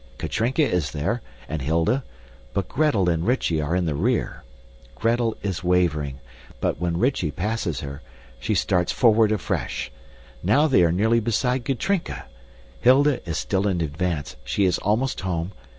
Katrinka is there, and Hilda, but Gretel and Rychie are in the rear. Gretel is wavering, but when Rychie passes her, she starts forward afresh. Now they are nearly beside Katrinka. Hilda is still in advance, she is almost "home."